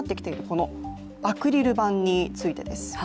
このアクリル板についてです。